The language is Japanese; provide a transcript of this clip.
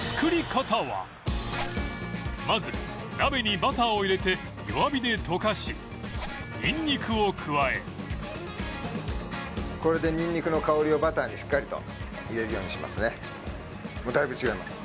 まず鍋にバターを入れて弱火で溶かしにんにくを加えこれでにんにくの香りをバターにしっかりと入れるようにしますね